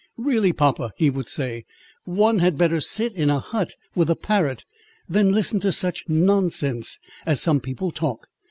"Really, papa," he would say, "one had better sit in a hut with a parrot, than listen to such nonsense as some people talk.